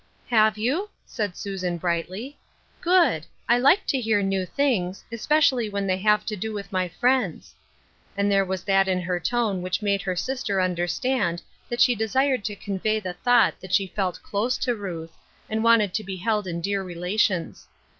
" Have you ?" said Susan, brightly. " Good ! I like to hear new things, especially when they have to do with my friends." And there was that in her tone which made her sister under stand that she desired to convey the thought that she felt close to Ruth, and wanted to be held in dear relations.